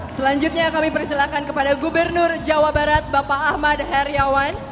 selanjutnya kami persilahkan kepada gubernur jawa barat bapak ahmad heriawan